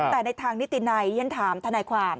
แต่ในทางนิตินัยฉันถามทนายความ